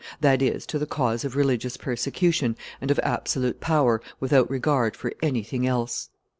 that is, to the cause of religious persecution and of absolute power, without regard for anything else.